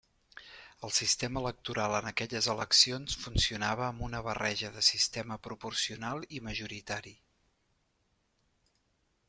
El sistema electoral en aquelles eleccions funcionava amb una barreja de sistema proporcional i majoritari.